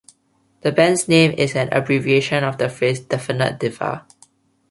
The band's name is an abbreviation of the phrase "Definite Diva".